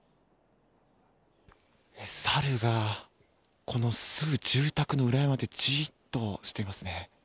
サルが、すぐ住宅の裏山でじっとしていますね。